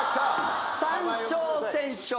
３勝先勝。